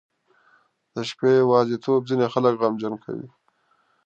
• د شپې یوازیتوب ځینې خلک غمجن کوي.